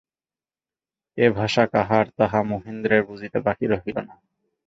এ ভাষা কাহার, তাহা মহেন্দ্রের বুঝিতে বাকি রহিল না।